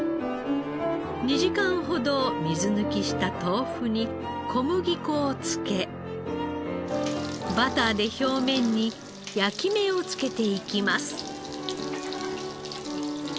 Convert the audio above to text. ２時間ほど水抜きした豆腐に小麦粉をつけバターで表面に焼き目をつけていきます。